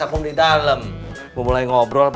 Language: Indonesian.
aku mau pergi dulu